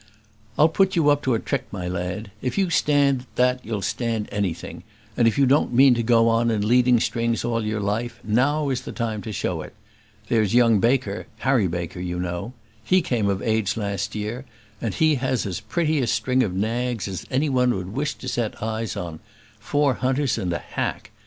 I'll put you up to a trick, my lad: if you stand that you'll stand anything; and if you don't mean to go in leading strings all your life, now is the time to show it. There's young Baker Harry Baker, you know he came of age last year, and he has as pretty a string of nags as any one would wish to set eyes on; four hunters and a hack.